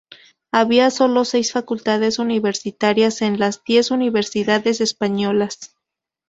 Había sólo seis facultades universitarias en las diez Universidades Españolas.